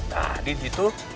nah di situ